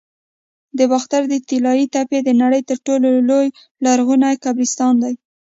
د باختر د طلایی تپې د نړۍ تر ټولو لوی لرغوني قبرستان دی